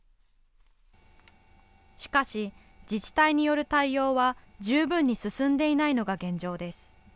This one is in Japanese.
しかし、自治体による対応は、十分に進んでいないのが現状です。